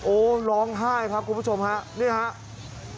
โอ้ร้องไห้ครับคุณผู้ชมฮะนี่ครับ